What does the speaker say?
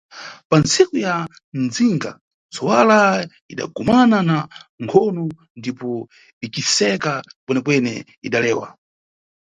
Pa ntsiku ya mdzinga, ntsuwala idagumana na nkhono ndipo iciseka kwene-kwene idalewa.